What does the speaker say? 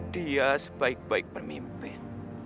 dia sebaik baik pemimpin